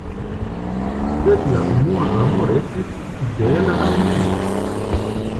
Sed la unua amo restis fidela al li.